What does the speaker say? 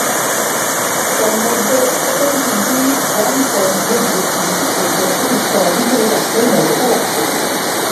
তন্মধ্যে, প্রথম তিনটি গ্রান কলম্বিয়ার বিলুপ্তি পর্যন্ত উত্তরাধিকারী রাষ্ট্রের মর্যাদা লাভ করেছিল।